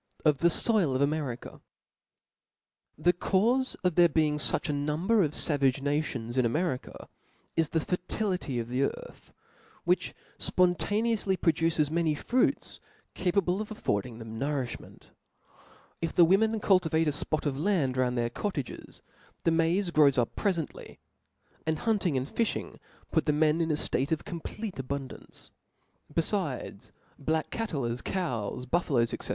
Of the Soil of America. nr^ H E caufe of there being fuch 4 number of fa * vage nations in America, is the fertility of the earth, which fpontaneoufly produces many frpits ca pable of affording them nourifhment. If the women cultivate a fpof of land round their cottages, tl^e maiz grows up prefently •, and hunting and fi(h ing puts the men in a ftate pf complete abun (3ance. Befides, black cattle, as cows, bufia |oes, &c.